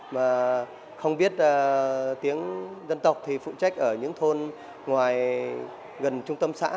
mà không biết tiếng dân tộc thì phụ trách ở những thôn ngoài gần trung tâm xã